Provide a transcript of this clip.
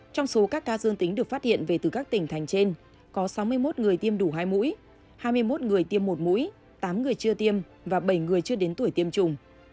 trong số các ca dương tính được phát hiện về từ các tỉnh thành trên có sáu mươi một người tiêm đủ hai mũi hai mươi một người tiêm một mũi tám người chưa tiêm và bảy người chưa đến tuổi tiêm chủng